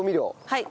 はい。